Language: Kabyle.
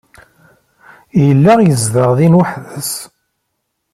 Yella yezdeɣ din weḥd-s.